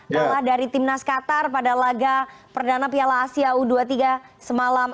kalah dari timnas qatar pada laga perdana piala asia u dua puluh tiga semalam